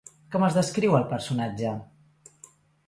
Com es descriu el personatge?